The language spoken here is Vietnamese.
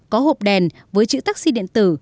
có hộp đèn với chữ taxi điện tử